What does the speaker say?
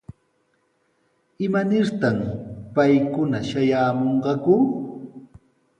¿Imanirtaq paykuna shamuyanqaku?